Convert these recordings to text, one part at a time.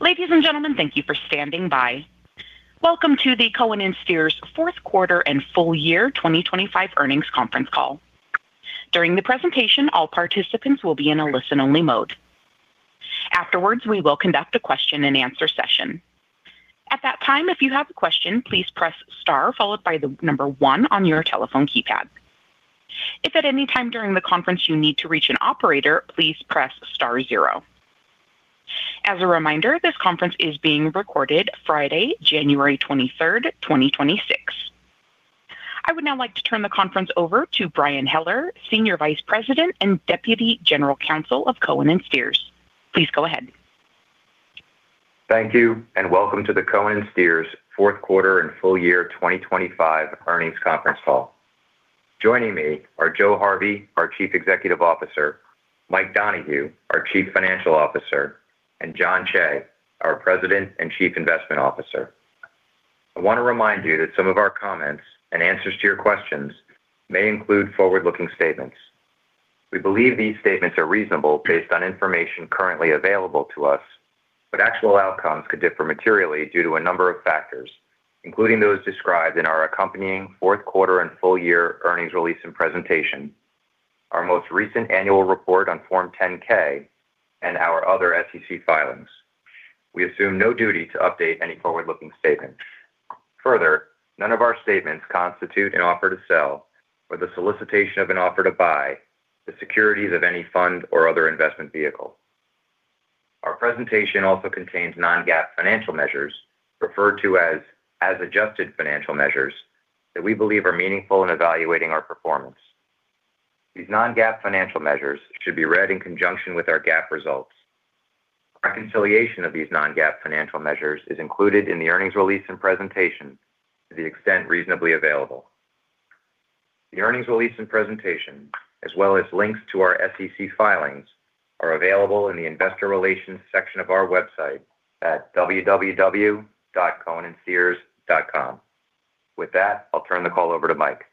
Ladies and gentlemen, thank you for standing by. Welcome to the Cohen & Steers Fourth Quarter and Full Year 2025 earnings conference call. During the presentation, all participants will be in a listen-only mode. Afterwards, we will conduct a question-and-answer session. At that time, if you have a question, please press star followed by the number one on your telephone keypad. If at any time during the conference you need to reach an operator, please press star zero. As a reminder, this conference is being recorded Friday, January 23rd, 2026. I would now like to turn the conference over to Brian Heller, Senior Vice President and Deputy General Counsel of Cohen & Steers. Please go ahead. Thank you, and welcome to the Cohen & Steers Fourth Quarter and Full Year 2025 Earnings Conference Call. Joining me are Joseph Harvey, our Chief Executive Officer, Mike Donohue, our Chief Financial Officer, and Jon Cheigh, our President and Chief Investment Officer. I want to remind you that some of our comments and answers to your questions may include forward-looking statements. We believe these statements are reasonable based on information currently available to us, but actual outcomes could differ materially due to a number of factors, including those described in our accompanying fourth quarter and full year earnings release and presentation, our most recent annual report on Form 10-K, and our other SEC filings. We assume no duty to update any forward-looking statements. Further, none of our statements constitute an offer to sell, or the solicitation of an offer to buy, the securities of any fund or other investment vehicle. Our presentation also contains non-GAAP financial measures, referred to as adjusted financial measures, that we believe are meaningful in evaluating our performance. These non-GAAP financial measures should be read in conjunction with our GAAP results. Reconciliation of these non-GAAP financial measures is included in the earnings release and presentation to the extent reasonably available. The earnings release and presentation, as well as links to our SEC filings, are available in the investor relations section of our website at www.cohenandsteers.com. With that, I'll turn the call over to Mike.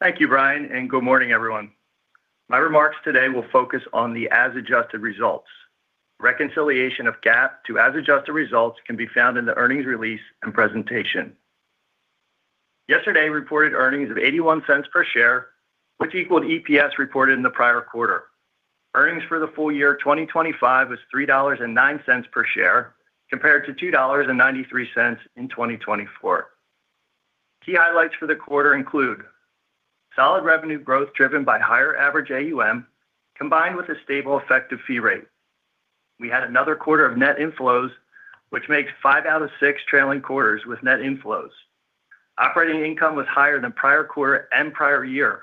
Thank you, Brian, and good morning, everyone. My remarks today will focus on the as-adjusted results. Reconciliation of GAAP to as-adjusted results can be found in the earnings release and presentation. Yesterday, we reported earnings of $0.81 per share, which equaled EPS reported in the prior quarter. Earnings for the full year 2025 was $3.09 per share, compared to $2.93 in 2024. Key highlights for the quarter include solid revenue growth driven by higher average AUM, combined with a stable effective fee rate. We had another quarter of net inflows, which makes five out of six trailing quarters with net inflows. Operating income was higher than prior quarter and prior year,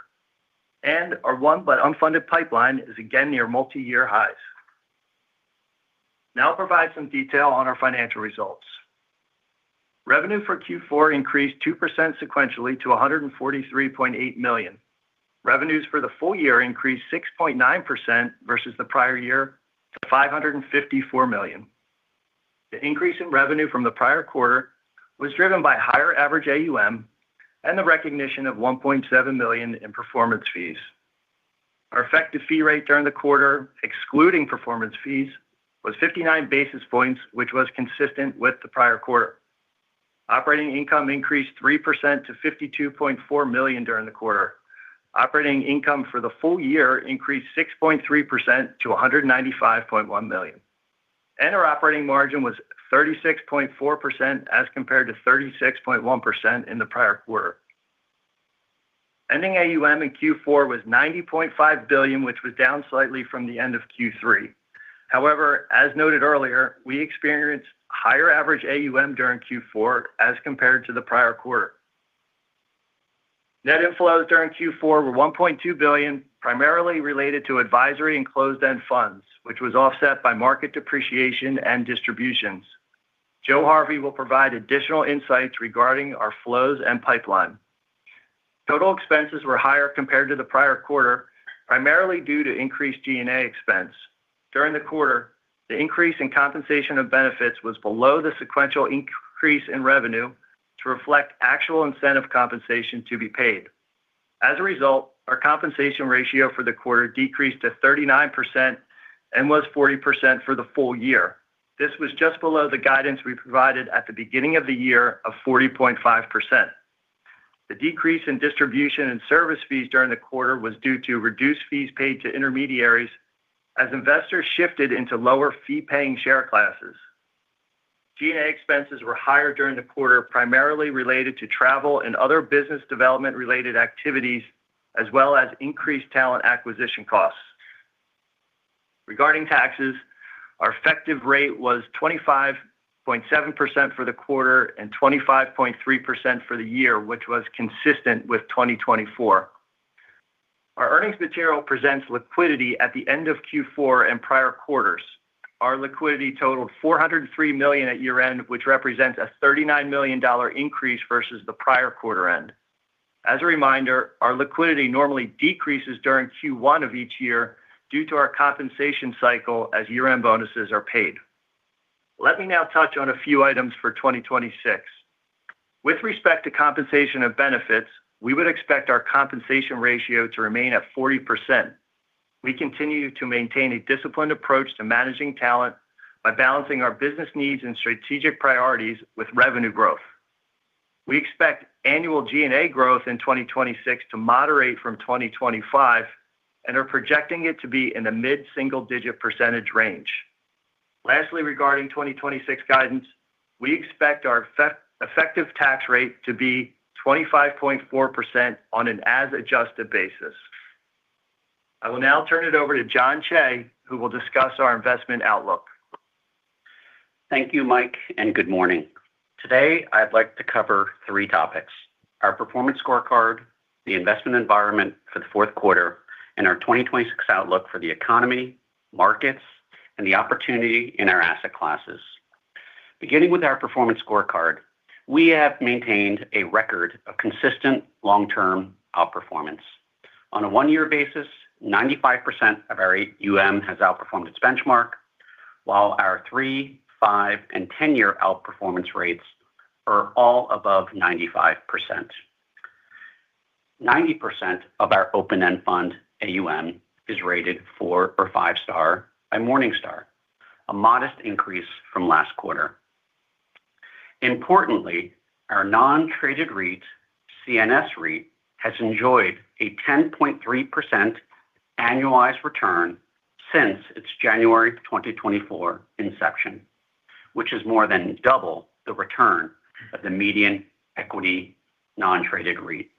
and our won and unfunded pipeline is again near multi-year highs. Now I'll provide some detail on our financial results. Revenue for Q4 increased 2% sequentially to $143.8 million. Revenues for the full year increased 6.9% versus the prior year to $554 million. The increase in revenue from the prior quarter was driven by higher average AUM and the recognition of $1.7 million in performance fees. Our effective fee rate during the quarter, excluding performance fees, was 59 basis points, which was consistent with the prior quarter. Operating income increased 3% to $52.4 million during the quarter. Operating income for the full year increased 6.3% to $195.1 million. Our operating margin was 36.4% as compared to 36.1% in the prior quarter. Ending AUM in Q4 was $90.5 billion, which was down slightly from the end of Q3. However, as noted earlier, we experienced higher average AUM during Q4 as compared to the prior quarter. Net inflows during Q4 were $1.2 billion, primarily related to advisory and closed-end funds, which was offset by market depreciation and distributions. Joe Harvey will provide additional insights regarding our flows and pipeline. Total expenses were higher compared to the prior quarter, primarily due to increased G&A expense. During the quarter, the increase in compensation and benefits was below the sequential increase in revenue to reflect actual incentive compensation to be paid. As a result, our compensation ratio for the quarter decreased to 39% and was 40% for the full year. This was just below the guidance we provided at the beginning of the year of 40.5%. The decrease in distribution and service fees during the quarter was due to reduced fees paid to intermediaries as investors shifted into lower fee-paying share classes. G&A expenses were higher during the quarter, primarily related to travel and other business development-related activities, as well as increased talent acquisition costs. Regarding taxes, our effective rate was 25.7% for the quarter and 25.3% for the year, which was consistent with 2024. Our earnings material presents liquidity at the end of Q4 and prior quarters. Our liquidity totaled $403 million at year-end, which represents a $39 million increase versus the prior quarter-end. As a reminder, our liquidity normally decreases during Q1 of each year due to our compensation cycle as year-end bonuses are paid. Let me now touch on a few items for 2026. With respect to compensation and benefits, we would expect our compensation ratio to remain at 40%. We continue to maintain a disciplined approach to managing talent by balancing our business needs and strategic priorities with revenue growth. We expect annual G&A growth in 2026 to moderate from 2025 and are projecting it to be in the mid-single-digit percentage range. Lastly, regarding 2026 guidance, we expect our effective tax rate to be 25.4% on an as-adjusted basis. I will now turn it over to John Cheigh, who will discuss our investment outlook. Thank you, Mike, and good morning. Today, I'd like to cover three topics: our performance scorecard, the investment environment for the fourth quarter, and our 2026 outlook for the economy, markets, and the opportunity in our asset classes. Beginning with our performance scorecard, we have maintained a record of consistent long-term outperformance. On a one-year basis, 95% of our AUM has outperformed its benchmark, while our three, five, and ten-year outperformance rates are all above 95%. 90% of our open-end fund AUM is rated four or five-star by Morningstar, a modest increase from last quarter. Importantly, our non-traded REIT, CNS REIT, has enjoyed a 10.3% annualized return since its January 2024 inception, which is more than double the return of the median equity non-traded REIT.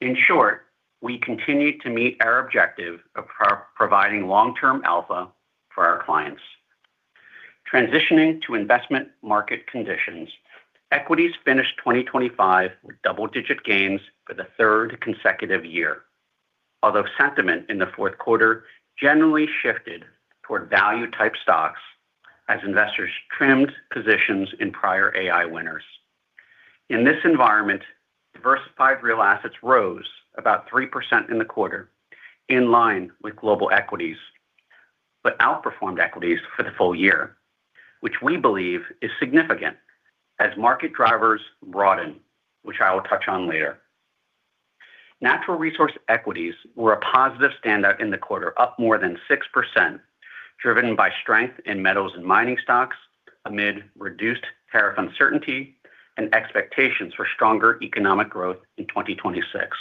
In short, we continue to meet our objective of providing long-term alpha for our clients. Transitioning to investment market conditions, equities finished 2025 with double-digit gains for the third consecutive year, although sentiment in the fourth quarter generally shifted toward value-type stocks as investors trimmed positions in prior AI winners. In this environment, diversified real assets rose about 3% in the quarter, in line with global equities, but outperformed equities for the full year, which we believe is significant as market drivers broaden, which I will touch on later. Natural resource equities were a positive standout in the quarter, up more than 6%, driven by strength in metals and mining stocks amid reduced tariff uncertainty and expectations for stronger economic growth in 2026.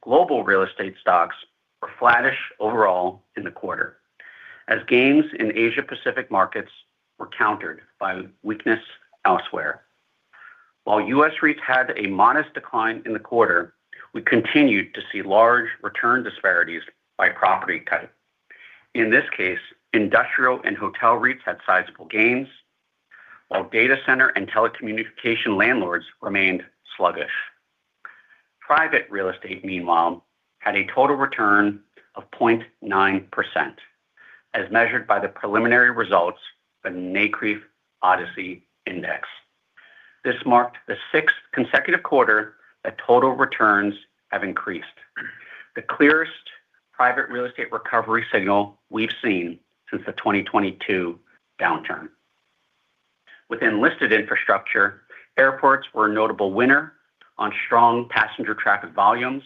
Global real estate stocks were flattish overall in the quarter, as gains in Asia-Pacific markets were countered by weakness elsewhere. While U.S. REITs had a modest decline in the quarter, we continued to see large return disparities by property type. In this case, industrial and hotel REITs had sizable gains, while data center and telecommunication landlords remained sluggish. Private real estate, meanwhile, had a total return of 0.9%, as measured by the preliminary results of the NCREIF ODCE Index. This marked the sixth consecutive quarter that total returns have increased, the clearest private real estate recovery signal we've seen since the 2022 downturn. Within listed infrastructure, airports were a notable winner on strong passenger traffic volumes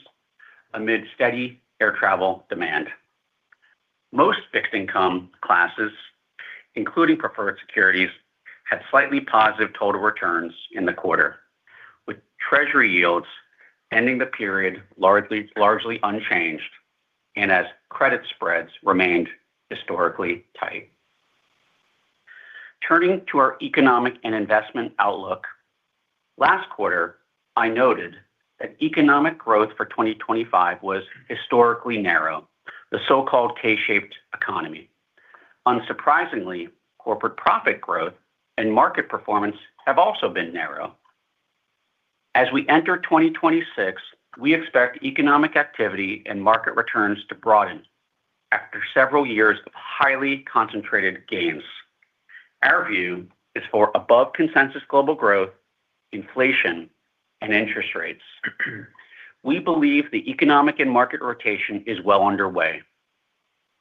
amid steady air travel demand. Most fixed income classes, including preferred securities, had slightly positive total returns in the quarter, with treasury yields ending the period largely unchanged and as credit spreads remained historically tight. Turning to our economic and investment outlook, last quarter, I noted that economic growth for 2025 was historically narrow, the so-called K-shaped economy. Unsurprisingly, corporate profit growth and market performance have also been narrow. As we enter 2026, we expect economic activity and market returns to broaden after several years of highly concentrated gains. Our view is for above-consensus global growth, inflation, and interest rates. We believe the economic and market rotation is well underway.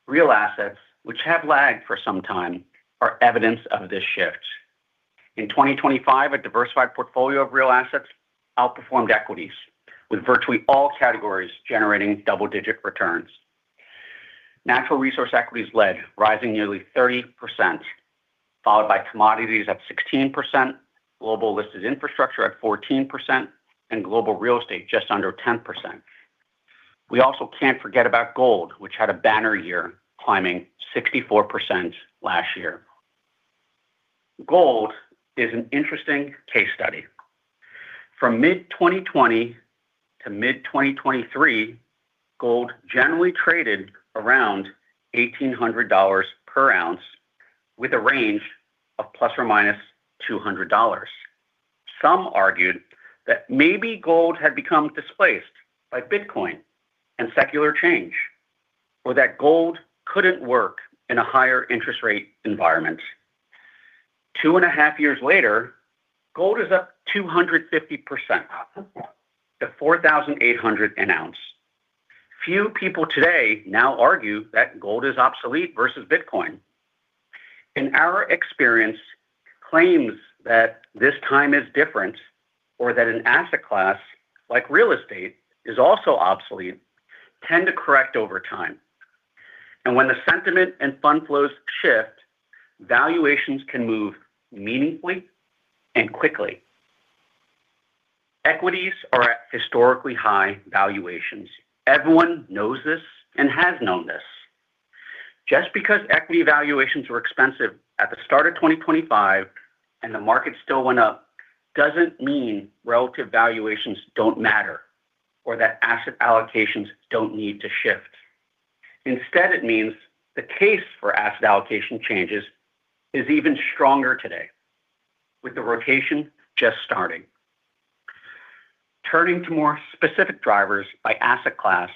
Real assets, which have lagged for some time, are evidence of this shift. In 2025, a diversified portfolio of real assets outperformed equities, with virtually all categories generating double-digit returns. Natural resource equities led, rising nearly 30%, followed by commodities at 16%, global listed infrastructure at 14%, and global real estate just under 10%. We also can't forget about gold, which had a banner year, climbing 64% last year. Gold is an interesting case study. From mid-2020 to mid-2023, gold generally traded around $1,800 per ounce, with a range of ±$200. Some argued that maybe gold had become displaced by Bitcoin and secular change, or that gold couldn't work in a higher interest rate environment. 2.5 years later, gold is up 250% to $4,800 an ounce. Few people today now argue that gold is obsolete versus Bitcoin. In our experience, claims that this time is different or that an asset class like real estate is also obsolete tend to correct over time. And when the sentiment and fund flows shift, valuations can move meaningfully and quickly. Equities are at historically high valuations. Everyone knows this and has known this. Just because equity valuations were expensive at the start of 2025 and the market still went up doesn't mean relative valuations don't matter or that asset allocations don't need to shift. Instead, it means the case for asset allocation changes is even stronger today, with the rotation just starting. Turning to more specific drivers by asset class,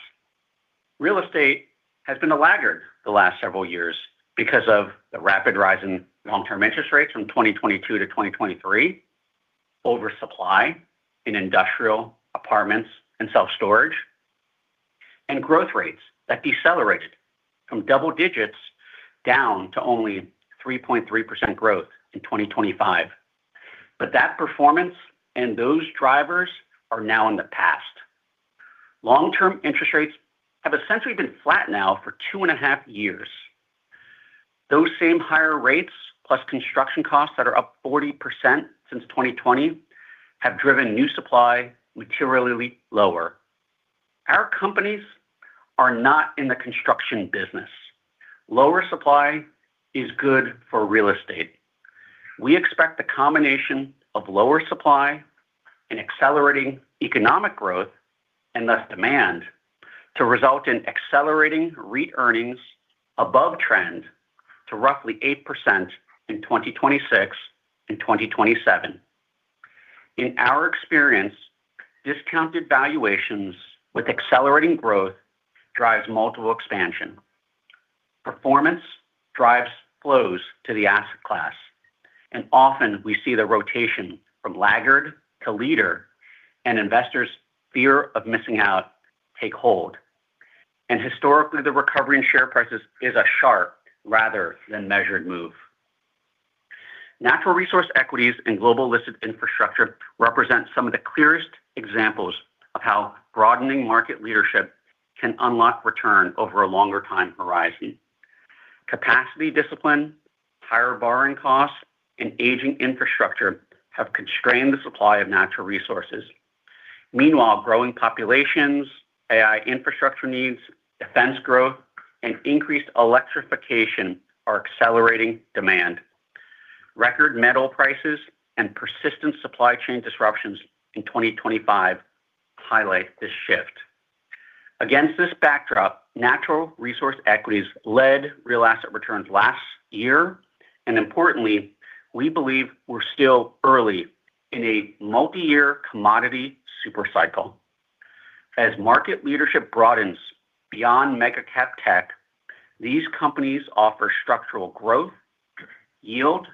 real estate has been a laggard the last several years because of the rapid rise in long-term interest rates from 2022 to 2023, oversupply in industrial apartments and self-storage, and growth rates that decelerated from double digits down to only 3.3% growth in 2025. But that performance and those drivers are now in the past. Long-term interest rates have essentially been flat now for 2.5 years. Those same higher rates, plus construction costs that are up 40% since 2020, have driven new supply materially lower. Our companies are not in the construction business. Lower supply is good for real estate. We expect the combination of lower supply and accelerating economic growth and thus demand to result in accelerating REIT earnings above trend to roughly 8% in 2026 and 2027. In our experience, discounted valuations with accelerating growth drive multiple expansion. Performance drives flows to the asset class. Often we see the rotation from laggard to leader, and investors' fear of missing out take hold. Historically, the recovery in share prices is a sharp rather than measured move. Natural resource equities and global listed infrastructure represent some of the clearest examples of how broadening market leadership can unlock return over a longer time horizon. Capacity discipline, higher borrowing costs, and aging infrastructure have constrained the supply of natural resources. Meanwhile, growing populations, AI infrastructure needs, defense growth, and increased electrification are accelerating demand. Record metal prices and persistent supply chain disruptions in 2025 highlight this shift. Against this backdrop, natural resource equities led real asset returns last year. Importantly, we believe we're still early in a multi-year commodity supercycle. As market leadership broadens beyond mega-cap tech, these companies offer structural growth, yield,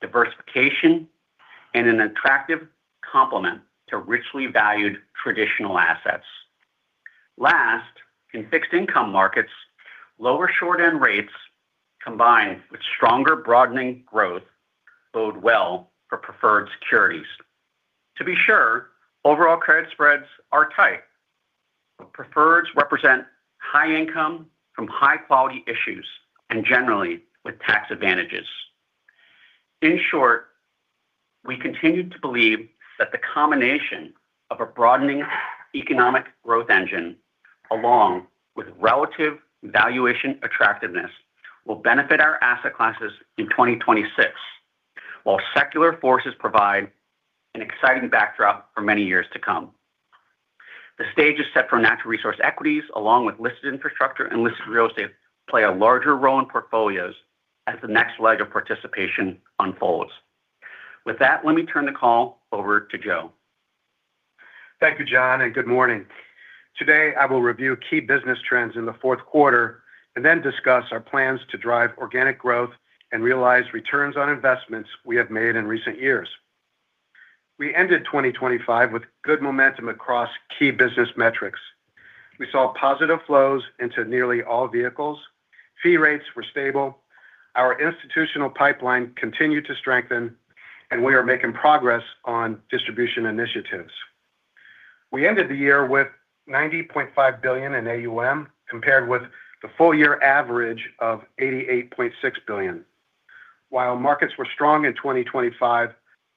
diversification, and an attractive complement to richly valued traditional assets. Last, in fixed income markets, lower short-end rates combined with stronger broadening growth bode well for preferred securities. To be sure, overall credit spreads are tight. Preferreds represent high income from high-quality issues and generally with tax advantages. In short, we continue to believe that the combination of a broadening economic growth engine along with relative valuation attractiveness will benefit our asset classes in 2026, while secular forces provide an exciting backdrop for many years to come. The stage is set for natural resource equities, along with listed infrastructure and listed real estate, to play a larger role in portfolios as the next leg of participation unfolds. With that, let me turn the call over to Joe. Thank you, John, and good morning. Today, I will review key business trends in the fourth quarter and then discuss our plans to drive organic growth and realize returns on investments we have made in recent years. We ended 2025 with good momentum across key business metrics. We saw positive flows into nearly all vehicles. Fee rates were stable. Our institutional pipeline continued to strengthen, and we are making progress on distribution initiatives. We ended the year with $90.5 billion in AUM, compared with the full-year average of $88.6 billion. While markets were strong in 2025,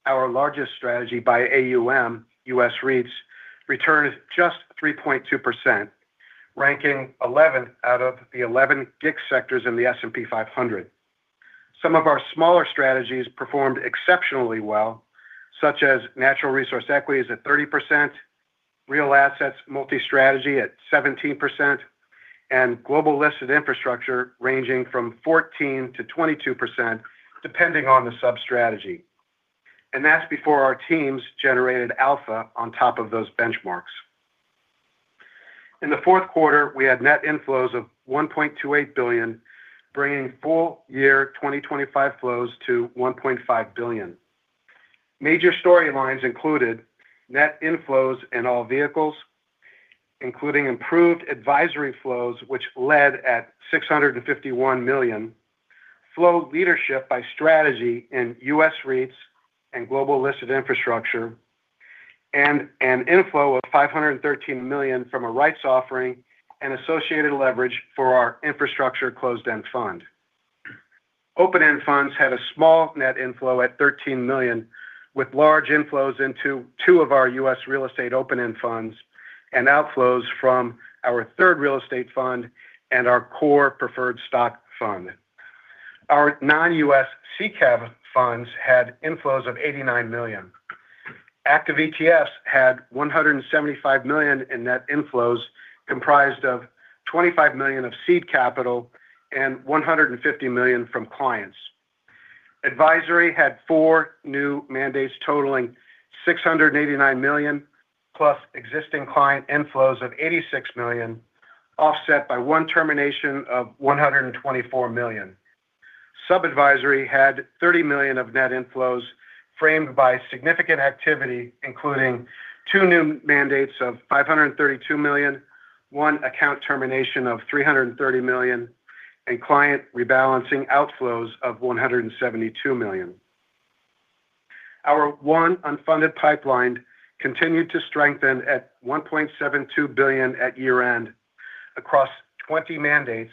our largest strategy by AUM, U.S. REITs, returned just 3.2%, ranking 11th out of the 11 GICS sectors in the S&P 500. Some of our smaller strategies performed exceptionally well, such as natural resource equities at 30%, real assets multi-strategy at 17%, and global listed infrastructure ranging from 14%-22%, depending on the sub-strategy. And that's before our teams generated alpha on top of those benchmarks. In the fourth quarter, we had net inflows of $1.28 billion, bringing full-year 2025 flows to $1.5 billion. Major storylines included net inflows in all vehicles, including improved advisory flows, which led at $651 million, flow leadership by strategy in U.S. REITs and global listed infrastructure, and an inflow of $513 million from a rights offering and associated leverage for our infrastructure closed-end fund. Open-end funds had a small net inflow at $13 million, with large inflows into two of our U.S. real estate open-end funds and outflows from our third real estate fund and our core preferred stock fund. Our non-U.S. SICAV funds had inflows of $89 million. Active ETFs had $175 million in net inflows, comprised of $25 million of seed capital and $150 million from clients. Advisory had 4 new mandates totaling $689 million, plus existing client inflows of $86 million, offset by 1 termination of $124 million. Sub-advisory had $30 million of net inflows framed by significant activity, including 2 new mandates of $532 million, 1 account termination of $330 million, and client rebalancing outflows of $172 million. Our won unfunded pipeline continued to strengthen at $1.72 billion at year-end across 20 mandates,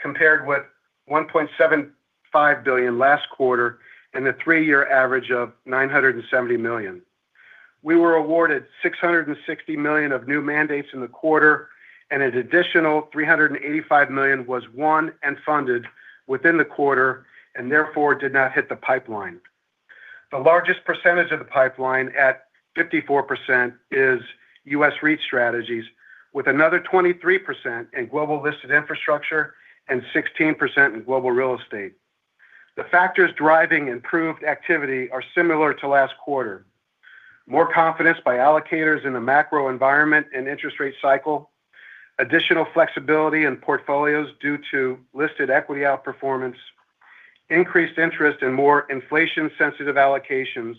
compared with $1.75 billion last quarter and the 3-year average of $970 million. We were awarded $660 million of new mandates in the quarter, and an additional $385 million was won and funded within the quarter and therefore did not hit the pipeline. The largest percentage of the pipeline at 54% is U.S. REIT strategies, with another 23% in global listed infrastructure and 16% in global real estate. The factors driving improved activity are similar to last quarter: more confidence by allocators in the macro environment and interest rate cycle, additional flexibility in portfolios due to listed equity outperformance, increased interest in more inflation-sensitive allocations,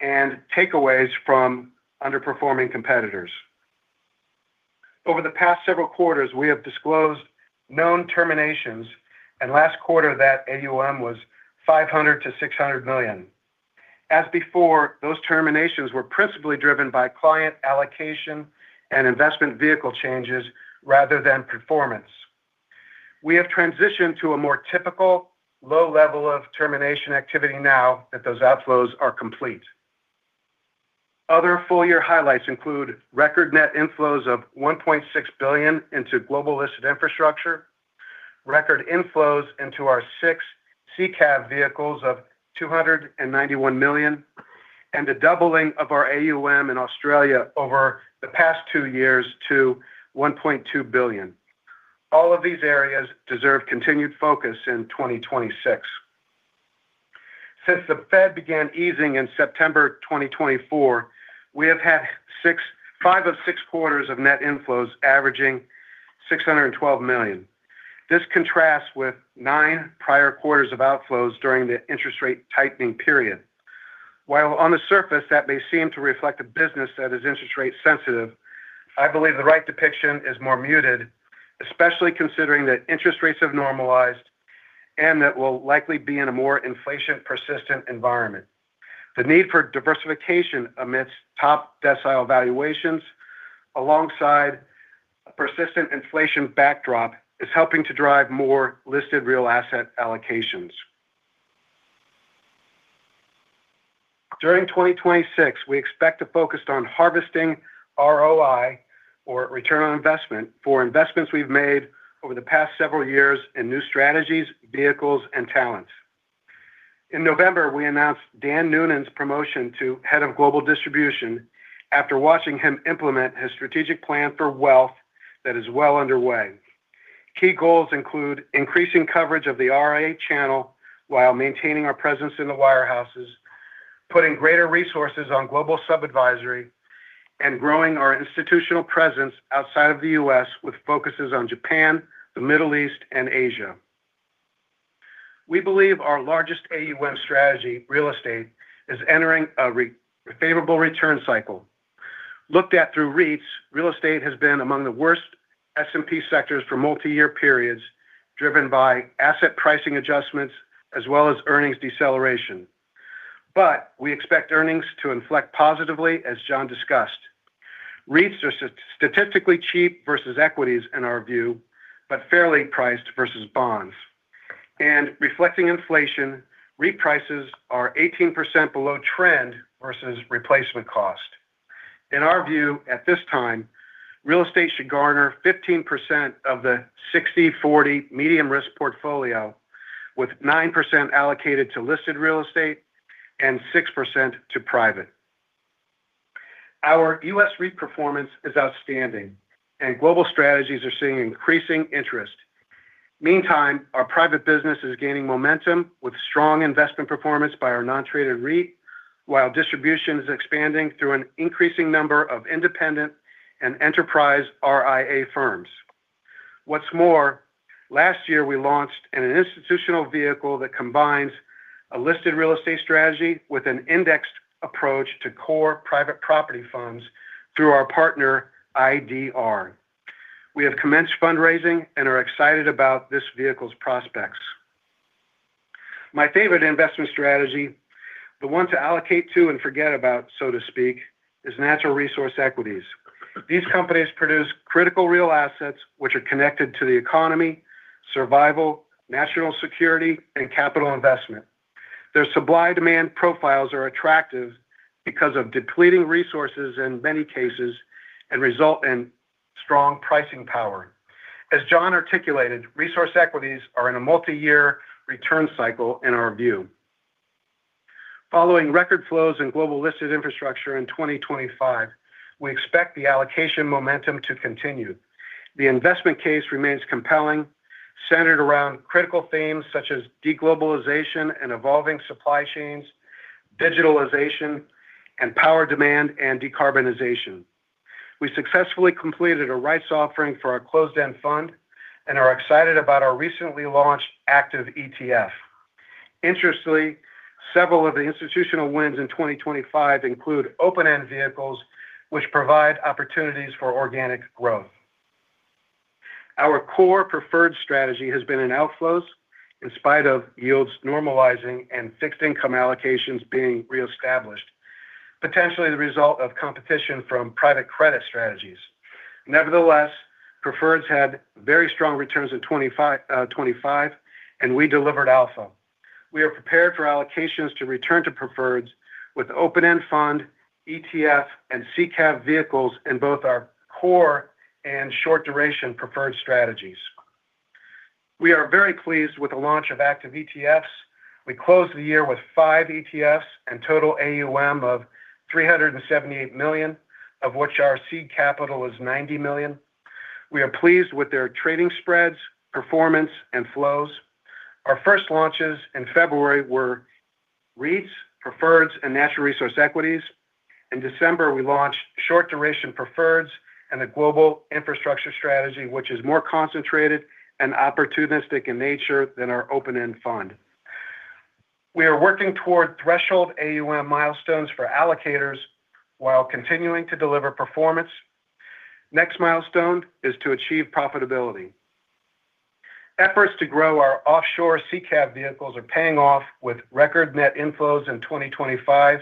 and takeaways from underperforming competitors. Over the past several quarters, we have disclosed known terminations, and last quarter that AUM was $500 million-$600 million. As before, those terminations were principally driven by client allocation and investment vehicle changes rather than performance. We have transitioned to a more typical low level of termination activity now that those outflows are complete. Other full-year highlights include record net inflows of $1.6 billion into global listed infrastructure, record inflows into our six SICAV vehicles of $291 million, and a doubling of our AUM in Australia over the past two years to $1.2 billion. All of these areas deserve continued focus in 2026. Since the Fed began easing in September 2024, we have had five of six quarters of net inflows averaging $612 million. This contrasts with nine prior quarters of outflows during the interest rate tightening period. While on the surface, that may seem to reflect a business that is interest rate sensitive, I believe the right depiction is more muted, especially considering that interest rates have normalized and that we'll likely be in a more inflation-persistent environment. The need for diversification amidst top decile valuations, alongside a persistent inflation backdrop, is helping to drive more listed real asset allocations. During 2026, we expect to focus on harvesting ROI, or return on investment, for investments we've made over the past several years in new strategies, vehicles, and talents. In November, we announced Dan Noonan's promotion to head of global distribution after watching him implement his strategic plan for wealth that is well underway. Key goals include increasing coverage of the RIA channel while maintaining our presence in the wirehouses, putting greater resources on global sub-advisory, and growing our institutional presence outside of the U.S. with focuses on Japan, the Middle East, and Asia. We believe our largest AUM strategy, real estate, is entering a favorable return cycle. Looked at through REITs, real estate has been among the worst S&P sectors for multi-year periods, driven by asset pricing adjustments as well as earnings deceleration. But we expect earnings to inflect positively, as John discussed. REITs are statistically cheap versus equities, in our view, but fairly priced versus bonds. Reflecting inflation, REIT prices are 18% below trend versus replacement cost. In our view, at this time, real estate should garner 15% of the 60/40 medium-risk portfolio, with 9% allocated to listed real estate and 6% to private. Our U.S. REIT performance is outstanding, and global strategies are seeing increasing interest. Meantime, our private business is gaining momentum with strong investment performance by our non-traded REIT, while distribution is expanding through an increasing number of independent and enterprise RIA firms. What's more, last year, we launched an institutional vehicle that combines a listed real estate strategy with an indexed approach to core private property funds through our partner IDR. We have commenced fundraising and are excited about this vehicle's prospects. My favorite investment strategy, the one to allocate to and forget about, so to speak, is natural resource equities. These companies produce critical real assets, which are connected to the economy, survival, national security, and capital investment. Their supply-demand profiles are attractive because of depleting resources in many cases and result in strong pricing power. As John articulated, resource equities are in a multi-year return cycle, in our view. Following record flows in global listed infrastructure in 2025, we expect the allocation momentum to continue. The investment case remains compelling, centered around critical themes such as deglobalization and evolving supply chains, digitalization, and power demand and decarbonization. We successfully completed a rights offering for our closed-end fund and are excited about our recently launched active ETF. Interestingly, several of the institutional wins in 2025 include open-end vehicles, which provide opportunities for organic growth. Our core preferred strategy has been in outflows in spite of yields normalizing and fixed income allocations being reestablished, potentially the result of competition from private credit strategies. Nevertheless, preferreds had very strong returns in 2025, and we delivered alpha. We are prepared for allocations to return to preferreds with open-end fund, ETF, and SICAV vehicles in both our core and short-duration preferred strategies. We are very pleased with the launch of active ETFs. We closed the year with 5 ETFs and total AUM of $378 million, of which our seed capital is $90 million. We are pleased with their trading spreads, performance, and flows. Our first launches in February were REITs, preferreds, and natural resource equities. In December, we launched short-duration preferreds and a global infrastructure strategy, which is more concentrated and opportunistic in nature than our open-end fund. We are working toward threshold AUM milestones for allocators while continuing to deliver performance. Next milestone is to achieve profitability. Efforts to grow our offshore SICAV vehicles are paying off with record net inflows in 2025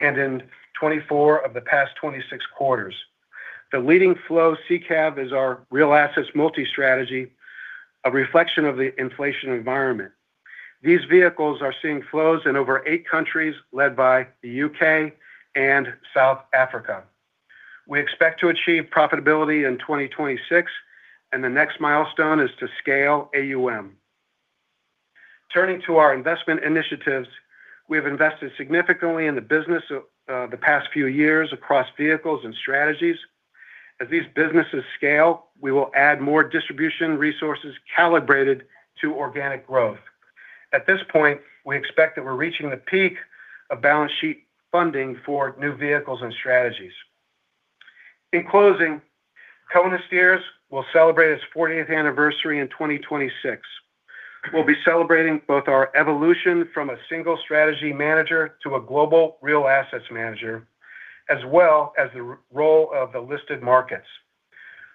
and in 24 of the past 26 quarters. The leading flow SICAV is our real assets multi-strategy, a reflection of the inflation environment. These vehicles are seeing flows in over eight countries led by the U.K. and South Africa. We expect to achieve profitability in 2026, and the next milestone is to scale AUM. Turning to our investment initiatives, we have invested significantly in the business the past few years across vehicles and strategies. As these businesses scale, we will add more distribution resources calibrated to organic growth. At this point, we expect that we're reaching the peak of balance sheet funding for new vehicles and strategies. In closing, Cohen & Steers will celebrate its 40th anniversary in 2026. We'll be celebrating both our evolution from a single strategy manager to a global real assets manager, as well as the role of the listed markets.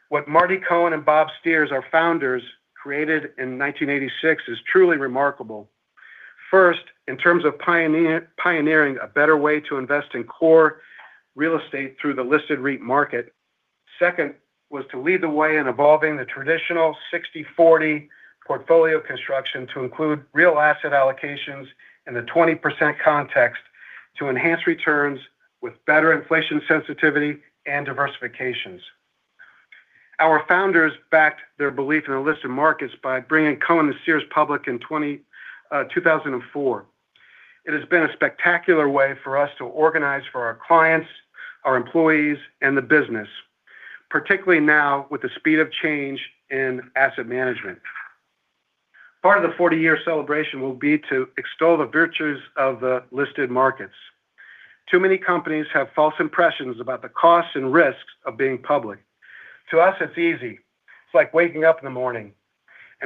What Marty Cohen and Bob Steers, our founders, created in 1986, is truly remarkable. First, in terms of pioneering a better way to invest in core real estate through the listed REIT market. Second, was to lead the way in evolving the traditional 60/40 portfolio construction to include real asset allocations in the 20% context to enhance returns with better inflation sensitivity and diversifications. Our founders backed their belief in the listed markets by bringing Cohen & Steers public in 2004. It has been a spectacular way for us to organize for our clients, our employees, and the business, particularly now with the speed of change in asset management. Part of the 40-year celebration will be to extol the virtues of the listed markets. Too many companies have false impressions about the costs and risks of being public. To us, it's easy. It's like waking up in the morning.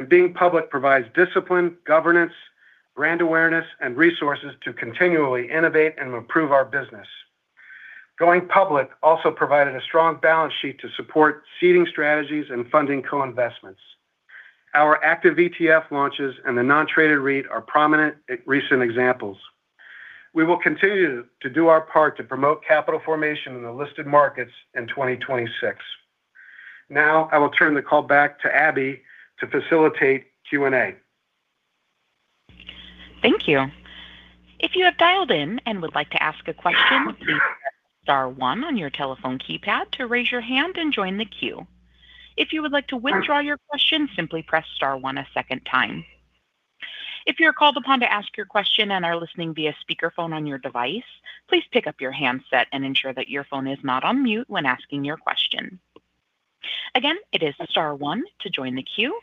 Being public provides discipline, governance, brand awareness, and resources to continually innovate and improve our business. Going public also provided a strong balance sheet to support seeding strategies and funding co-investments. Our active ETF launches and the non-traded REIT are prominent recent examples. We will continue to do our part to promote capital formation in the listed markets in 2026. Now, I will turn the call back to Abby to facilitate Q&A. Thank you. If you have dialed in and would like to ask a question, please press Star 1 on your telephone keypad to raise your hand and join the queue. If you would like to withdraw your question, simply press Star 1 a second time. If you're called upon to ask your question and are listening via speakerphone on your device, please pick up your handset and ensure that your phone is not on mute when asking your question. Again, it is Star 1 to join the queue.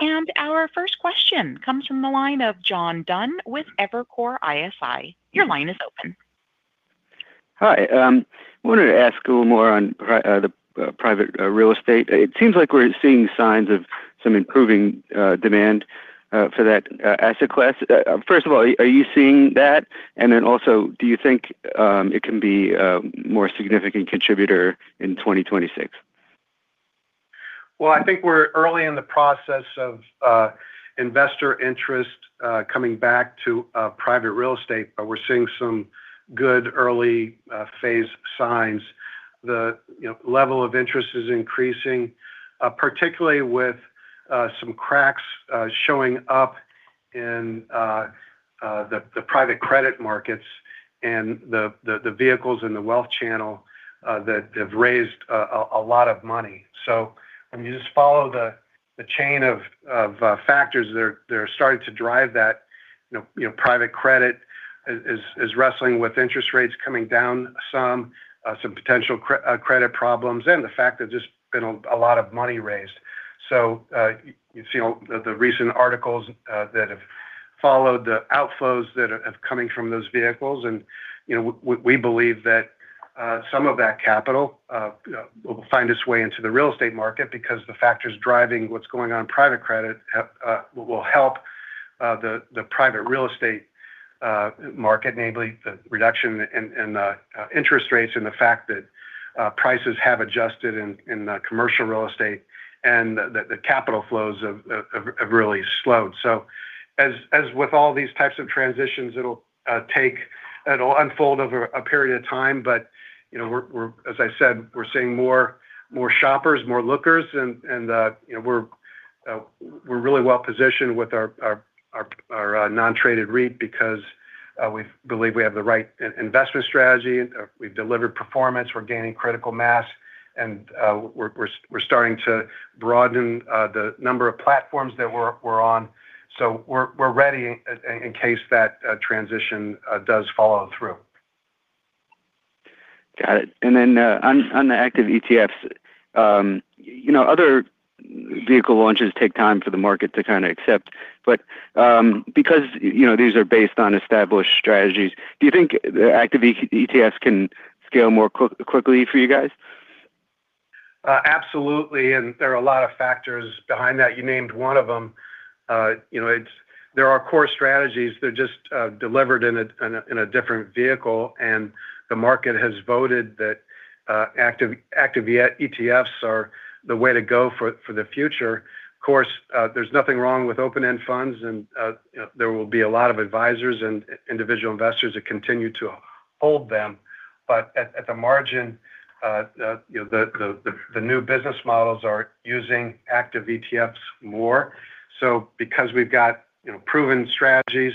And our first question comes from the line of John Dunn with Evercore ISI. Your line is open. Hi. I wanted to ask a little more on private real estate. It seems like we're seeing signs of some improving demand for that asset class. First of all, are you seeing that? And then also, do you think it can be a more significant contributor in 2026? Well, I think we're early in the process of investor interest coming back to private real estate, but we're seeing some good early phase signs. The level of interest is increasing, particularly with some cracks showing up in the private credit markets and the vehicles and the wealth channel that have raised a lot of money. So when you just follow the chain of factors, they're starting to drive that. Private credit is wrestling with interest rates coming down some, some potential credit problems, and the fact that there's been a lot of money raised. So you've seen the recent articles that have followed the outflows that are coming from those vehicles. And we believe that some of that capital will find its way into the real estate market because the factors driving what's going on in private credit will help the private real estate market, namely the reduction in interest rates and the fact that prices have adjusted in commercial real estate and that the capital flows have really slowed. So as with all these types of transitions, it'll take. It'll unfold over a period of time. But as I said, we're seeing more shoppers, more lookers, and we're really well positioned with our non-traded REIT because we believe we have the right investment strategy. We've delivered performance. We're gaining critical mass, and we're starting to broaden the number of platforms that we're on. So we're ready in case that transition does follow through. Got it. And then on the active ETFs, other vehicle launches take time for the market to kind of accept. But because these are based on established strategies, do you think the active ETFs can scale more quickly for you guys? Absolutely. And there are a lot of factors behind that. You named one of them. There are core strategies. They're just delivered in a different vehicle, and the market has voted that active ETFs are the way to go for the future. Of course, there's nothing wrong with open-end funds, and there will be a lot of advisors and individual investors that continue to hold them. But at the margin, the new business models are using active ETFs more. So because we've got proven strategies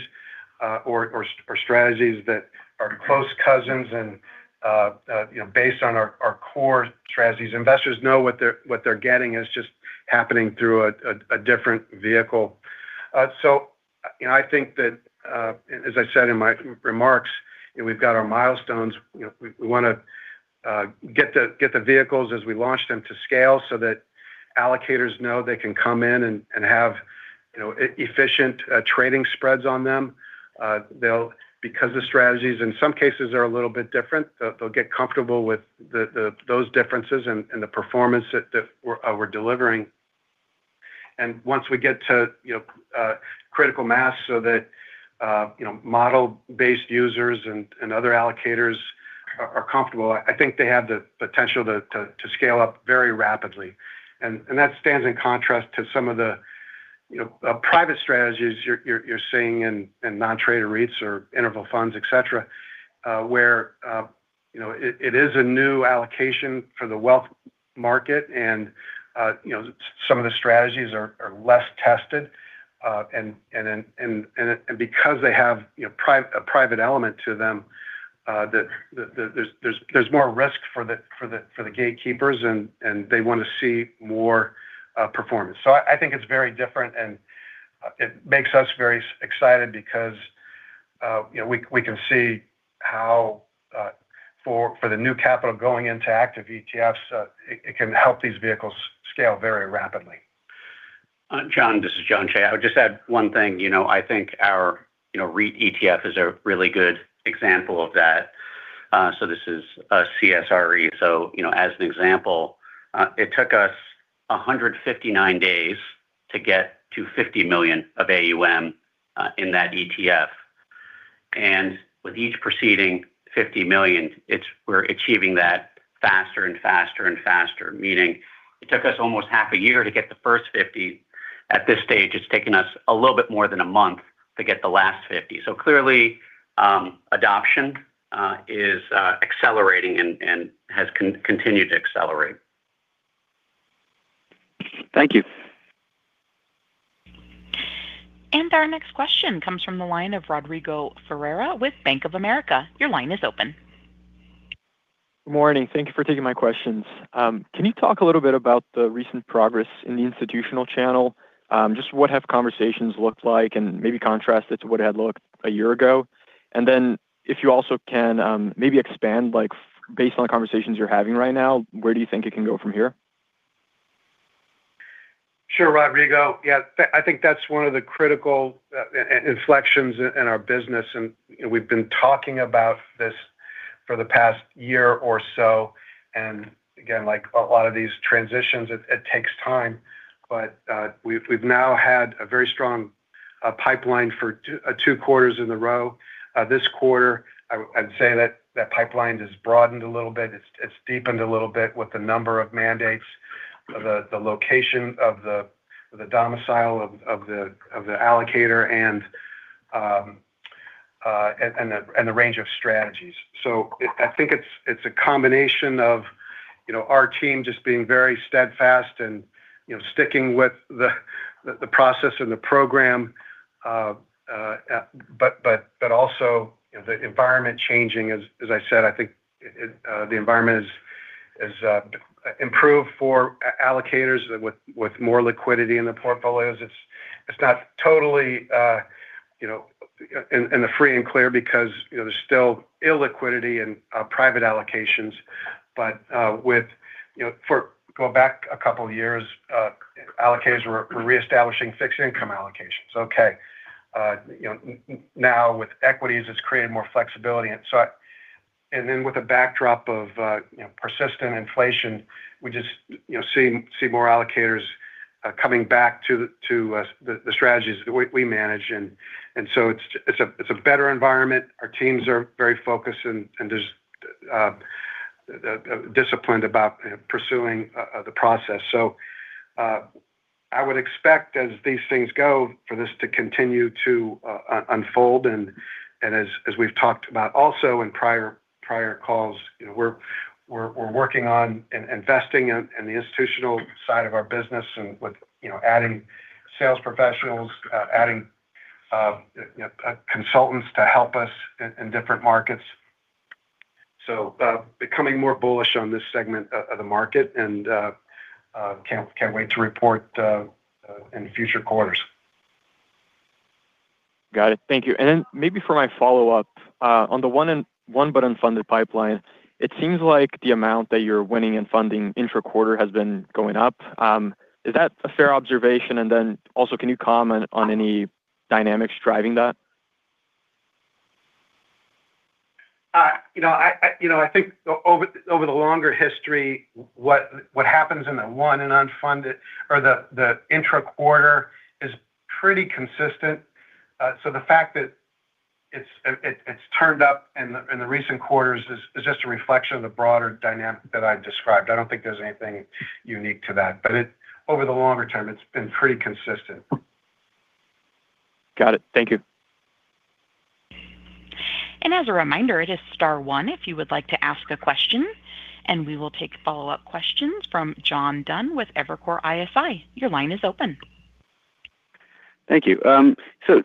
or strategies that are close cousins and based on our core strategies, investors know what they're getting is just happening through a different vehicle. So I think that, as I said in my remarks, we've got our milestones. We want to get the vehicles as we launch them to scale so that allocators know they can come in and have efficient trading spreads on them. Because the strategies, in some cases, are a little bit different, they'll get comfortable with those differences and the performance that we're delivering. And once we get to critical mass so that model-based users and other allocators are comfortable, I think they have the potential to scale up very rapidly. And that stands in contrast to some of the private strategies you're seeing in non-traded REITs or interval funds, etc., where it is a new allocation for the wealth market, and some of the strategies are less tested. And because they have a private element to them, there's more risk for the gatekeepers, and they want to see more performance. So I think it's very different, and it makes us very excited because we can see how for the new capital going into active ETFs, it can help these vehicles scale very rapidly. John, this is John Cheigh. I would just add one thing. I think our REIT ETF is a really good example of that. So this is a CSRE. So as an example, it took us 159 days to get to $50 million of AUM in that ETF. And with each preceding $50 million, we're achieving that faster and faster and faster, meaning it took us almost half a year to get the first $50 million. At this stage, it's taken us a little bit more than a month to get the last $50 million. So clearly, adoption is accelerating and has continued to accelerate. Thank you. And our next question comes from the line of Rodrigo Faria with Bank of America. Your line is open. Good morning. Thank you for taking my questions. Can you talk a little bit about the recent progress in the institutional channel? Just what have conversations looked like and maybe contrast it to what it had looked a year ago? And then if you also can maybe expand, based on the conversations you're having right now, where do you think it can go from here? Sure, Rodrigo. Yeah, I think that's one of the critical inflections in our business. And we've been talking about this for the past year or so. And again, like a lot of these transitions, it takes time. But we've now had a very strong pipeline for 2 quarters in a row. This quarter, I'd say that that pipeline has broadened a little bit. It's deepened a little bit with the number of mandates, the location of the domicile of the allocator, and the range of strategies. So I think it's a combination of our team just being very steadfast and sticking with the process and the program, but also the environment changing. As I said, I think the environment has improved for allocators with more liquidity in the portfolios. It's not totally in the free and clear because there's still illiquidity in private allocations. But for going back a couple of years, allocators were reestablishing fixed income allocations. Okay. Now, with equities, it's created more flexibility. And then with the backdrop of persistent inflation, we just see more allocators coming back to the strategies that we manage. And so it's a better environment. Our teams are very focused and disciplined about pursuing the process. So I would expect, as these things go, for this to continue to unfold. And as we've talked about also in prior calls, we're working on investing in the institutional side of our business and with adding sales professionals, adding consultants to help us in different markets. So becoming more bullish on this segment of the market and can't wait to report in future quarters. Got it. Thank you. And then maybe for my follow-up, on the won and unfunded pipeline, it seems like the amount that you're winning in funding intra-quarter has been going up. Is that a fair observation? And then also, can you comment on any dynamics driving that ? I think over the longer history, what happens in the won and unfunded or the intra-quarter is pretty consistent. So the fact that it's turned up in the recent quarters is just a reflection of the broader dynamic that I described. I don't think there's anything unique to that. Over the longer term, it's been pretty consistent. Got it. Thank you. As a reminder, it is star 1 if you would like to ask a question. We will take follow-up questions from John Dunn with Evercore ISI. Your line is open. Thank you.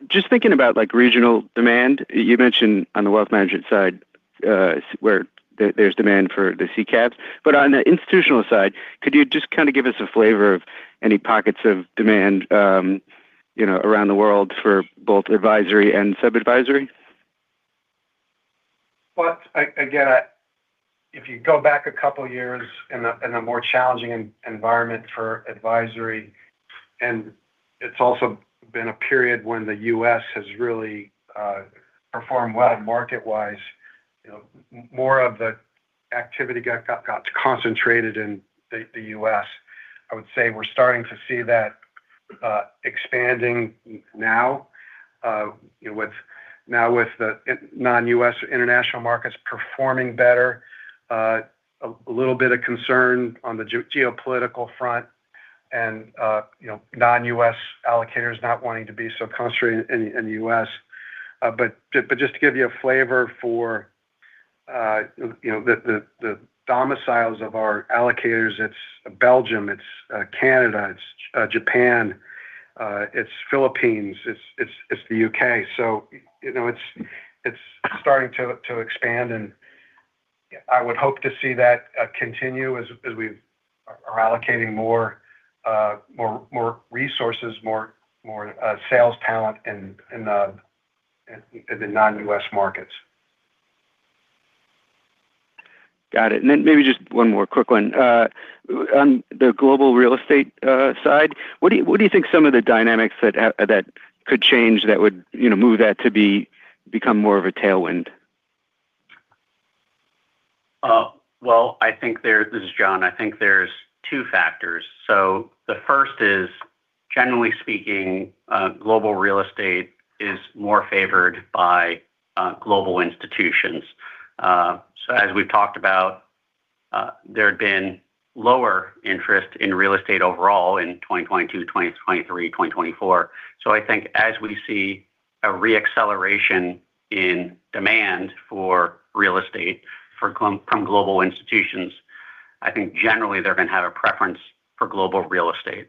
Just thinking about regional demand, you mentioned on the wealth management side where there's demand for the CCABs. But on the institutional side, could you just kind of give us a flavor of any pockets of demand around the world for both advisory and sub-advisory? Well, again, if you go back a couple of years in a more challenging environment for advisory, and it's also been a period when the U.S. has really performed well market-wise, more of the activity got concentrated in the U.S. I would say we're starting to see that expanding now with the non-U.S. international markets performing better, a little bit of concern on the geopolitical front, and non-U.S. allocators not wanting to be so concentrated in the U.S.. But just to give you a flavor for the domiciles of our allocators, it's Belgium, it's Canada, it's Japan, it's Philippines, it's the U.K.. So it's starting to expand. And I would hope to see that continue as we are allocating more resources, more sales talent in the non-U.S. markets. Got it. And then maybe just one more quick one. On the global real estate side, what do you think some of the dynamics that could change that would move that to become more of a tailwind? Well, I think there's this is John. I think there's two factors. So the first is, generally speaking, global real estate is more favored by global institutions. So as we've talked about, there had been lower interest in real estate overall in 2022, 2023, 2024. So I think as we see a re-acceleration in demand for real estate from global institutions, I think generally they're going to have a preference for global real estate.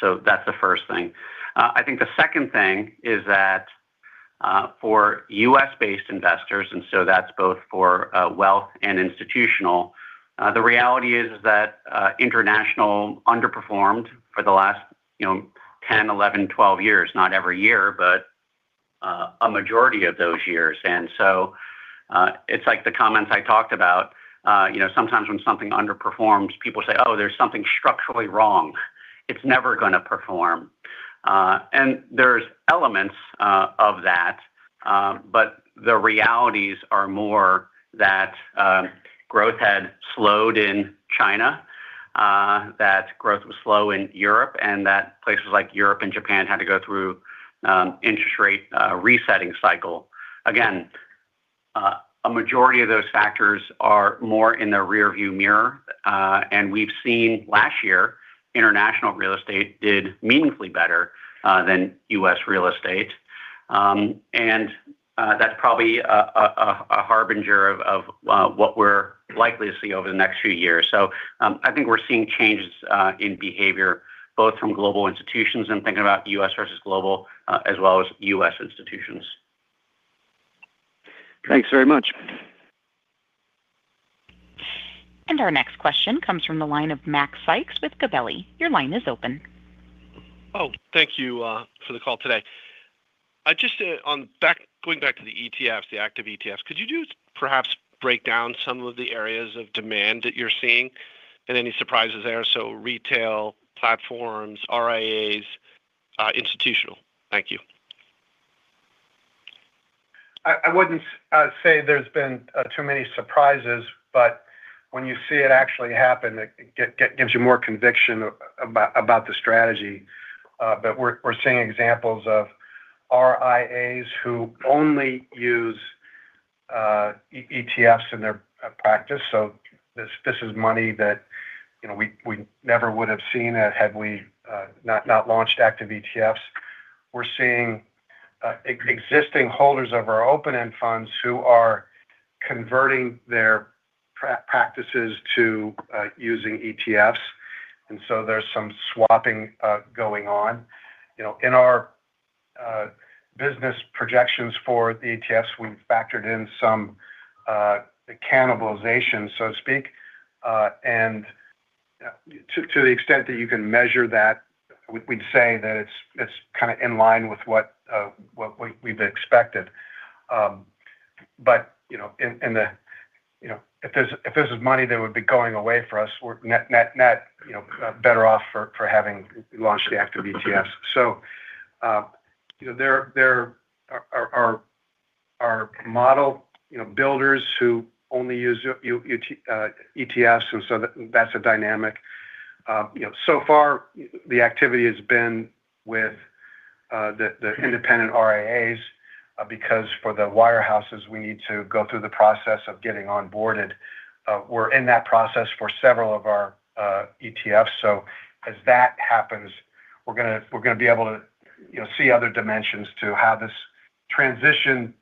So that's the first thing. I think the second thing is that for U.S.-based investors, and so that's both for wealth and institutional, the reality is that international underperformed for the last 10, 11, 12 years, not every year, but a majority of those years. And so it's like the comments I talked about. Sometimes when something underperforms, people say, "Oh, there's something structurally wrong." It's never going to perform. And there's elements of that. The realities are more that growth had slowed in China, that growth was slow in Europe, and that places like Europe and Japan had to go through an interest rate resetting cycle. Again, a majority of those factors are more in the rearview mirror. We've seen last year, international real estate did meaningfully better than U.S. real estate. That's probably a harbinger of what we're likely to see over the next few years. So I think we're seeing changes in behavior, both from global institutions and thinking about U.S. versus global as well as U.S. institutions. Thanks very much. Our next question comes from the line of Macrae Sykes with Gabelli. Your line is open. Oh, thank you for the call today. Just going back to the ETFs, the active ETFs, could you perhaps break down some of the areas of demand that you're seeing and any surprises there? So retail, platforms, RIAs, institutional. Thank you. I wouldn't say there's been too many surprises, but when you see it actually happen, it gives you more conviction about the strategy. But we're seeing examples of RIAs who only use ETFs in their practice. So this is money that we never would have seen had we not launched active ETFs. We're seeing existing holders of our open-end funds who are converting their practices to using ETFs. And so there's some swapping going on. In our business projections for the ETFs, we've factored in some cannibalization, so to speak. And to the extent that you can measure that, we'd say that it's kind of in line with what we've expected. But if this is money that would be going away for us, we're net better off for having launched the active ETFs. So there are model builders who only use ETFs. And so that's a dynamic. So far, the activity has been with the independent RIAs because for the wirehouses, we need to go through the process of getting onboarded. We're in that process for several of our ETFs. So as that happens, we're going to be able to see other dimensions to how this transition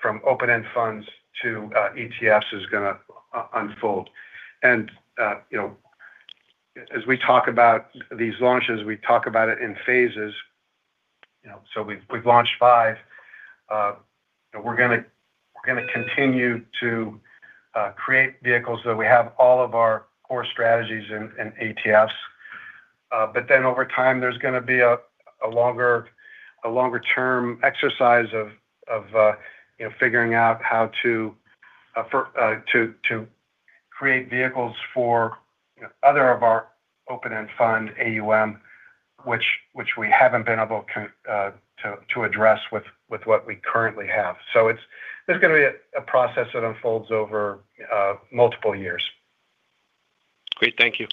from open-end funds to ETFs is going to unfold. And as we talk about these launches, we talk about it in phases. So we've launched five. We're going to continue to create vehicles that we have all of our core strategies in ETFs. But then over time, there's going to be a longer-term exercise of figuring out how to create vehicles for other of our open-end fund AUM, which we haven't been able to address with what we currently have. So it's going to be a process that unfolds over multiple years. Great. Thank you.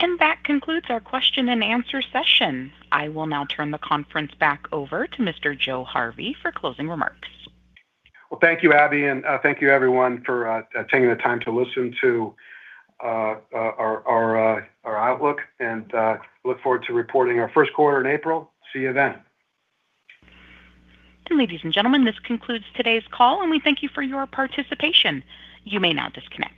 And that concludes our question and answer session. I will now turn the conference back over to Mr. Joe Harvey for closing remarks. Well, thank you, Abby, and thank you, everyone, for taking the time to listen to our outlook. And look forward to reporting our first quarter in April. See you then. And ladies and gentlemen, this concludes today's call, and we thank you for your participation. You may now disconnect.